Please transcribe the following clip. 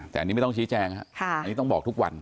แต่อันนี้ไม่ต้องชี้แจงครับอันนี้ต้องบอกทุกวัน